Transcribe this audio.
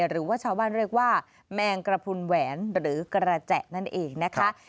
หรือว่าชาวบ้านเรียกว่าแมงกระพุนแหวนหรือกระแจนั่นเองนะคะ